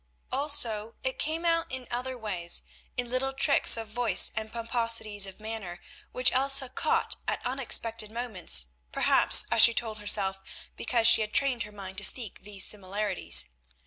Also it came out in other ways, in little tricks of voice and pomposities of manner which Elsa caught at unexpected moments, perhaps, as she told herself, because she had trained her mind to seek these similarities.